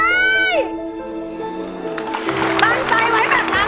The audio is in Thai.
ตั้งใจไว้แบบนั้น